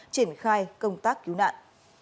chuyển khai công tác cứu nạn